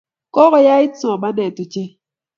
Kokoyait somanet ochei